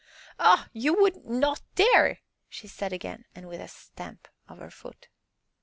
"Oh you would not dare!" she said again, and with a stamp of her foot.